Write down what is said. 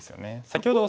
先ほど